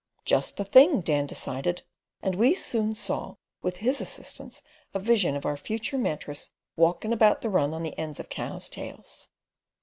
"Just the thing," Dan decided; and we soon saw, with his assistance, a vision of our future mattress walkin' about the run on the ends of cows' tails.